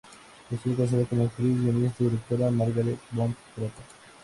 Estuvo casado con la actriz, guionista y directora Margarethe von Trotta.